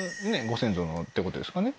ご先祖のってことですかね？